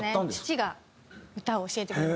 父が歌を教えてくれて。